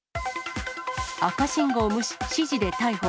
赤信号無視指示で逮捕。